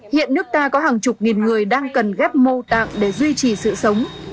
hiện nước ta có hàng chục nghìn người đang cần ghép mô tạng để duy trì sự sống